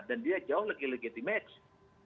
dan dia jauh lagi lagi di match